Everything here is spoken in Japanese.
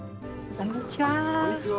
こんにちは。